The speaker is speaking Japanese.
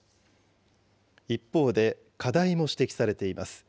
一方で、課題も指摘されています。